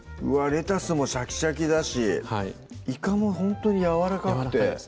レタスもシャキシャキだしはいいかがほんとにやわらかくて